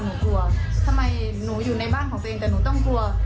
หนูกลัวทำไมหนูอยู่ในบ้านของตัวเองแต่หนูต้องกลัว